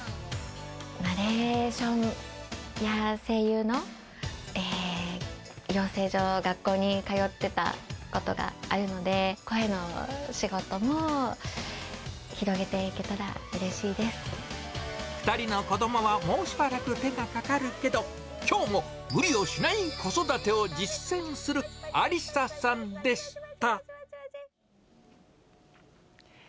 ナレーションや声優の養成所、学校に通ってたことがあるので、２人の子どもはもうしばらく手がかかるけど、きょうも無理をしない子育てを実践するありささんでした。